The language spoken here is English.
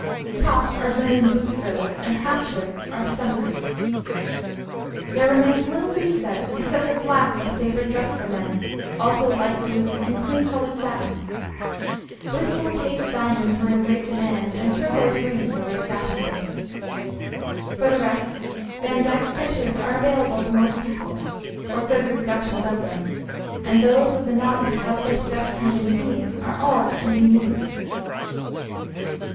Topps are linen boot frills, and halfshirts are stomachers. There remains little to be said except that black was a favourite dress for men, also light blue and cream coloured satin. Bristol paste diamonds were in great demand, and turquoise rings were very fashionable. For the rest, Vandyck's pictures are available to most people, or good reproductions of them, and those, with a knowledge of how such dress came into being, are all that can be needed.